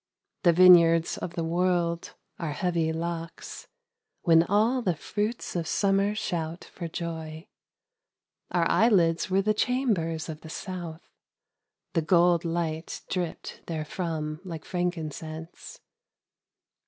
The vineyards of the world, our heavy locks, When all the fruits of summer shout for joy ; Our eyelids were the chambers of the south — The gold light dripp'd therefrom like frankincense.